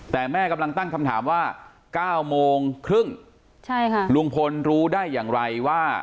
แต่แม่กำลังตั้งคำถามว่า๙โมงครึ่งใช่ค่ะลุงพลรู้ได้อย่างไรว่า